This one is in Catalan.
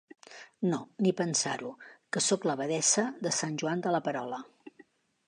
No, ni pensar-ho, que soc l’abadessa de Sant Joan de la Perola.